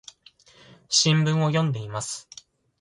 新聞を読んでいます。